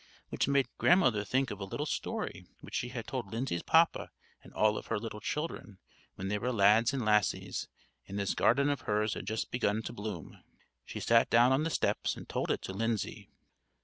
which made Grandmother think of a little story which she had told Lindsay's papa and all of her little children, when they were lads and lassies, and this garden of hers had just begun to bloom. She sat down on the steps and told it to Lindsay.